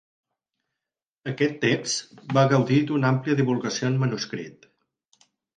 Aquest text va gaudir d'una àmplia divulgació en manuscrit.